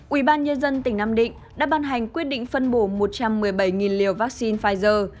ủy ban nhân dân tỉnh nam định đã ban hành quyết định phân bổ một trăm một mươi bảy liều vaccine pfizer